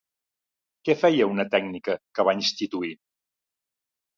Què feia una tècnica que va instituir?